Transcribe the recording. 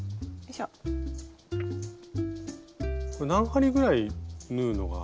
これ何針ぐらい縫うのが？